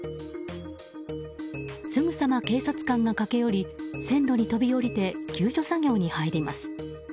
すぐさま警察官が駆け寄り線路に飛び降りて救助作業に入ります。